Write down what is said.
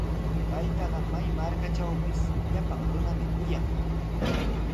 Paytaqa may markatrawpis llapan runami kuyan.